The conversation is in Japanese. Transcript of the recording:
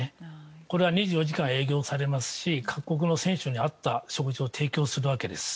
これは２４時間営業されますし各国の選手に合った食事を提供するわけです。